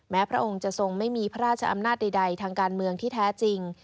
พระองค์จะทรงไม่มีพระราชอำนาจใดทางการเมืองที่แท้จริง